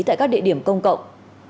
tại các địa điểm công cộng